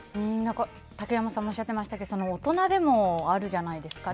竹山さんもおっしゃってましたけど大人でもあるじゃないですか。